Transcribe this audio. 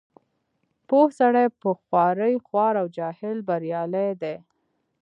پوه سړی په خوارۍ خوار او جاهل بریالی دی.